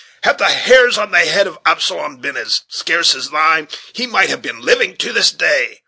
Had the hairs on the head of Absalom been as scarce as thine, he might have been living to this day."